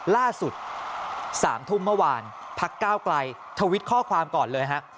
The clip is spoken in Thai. ล่าสุด๓ทุ่มเมื่อวานพักก้าวไกลทวิตข้อความก่อนเลยฮะ